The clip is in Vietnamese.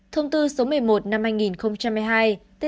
thông tư số một mươi một năm nghìn một mươi hai t ba